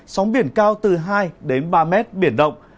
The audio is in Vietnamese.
sóng biển cao từ hai ba mét biển động